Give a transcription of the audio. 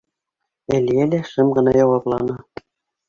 — Әлиә лә шым ғына яуапланы.